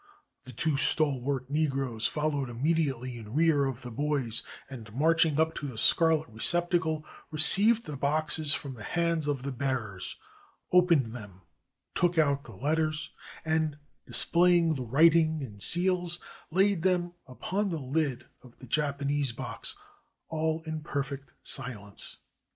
The two stalwart Negroes followed immediately in rear of the boys, and marching up to the scarlet receptacle received the boxes from the hands of the bearers, opened them, took out the letters, and, displaying the writing and seals, laid them upon the lid of the Japanese box, all in perfect silence.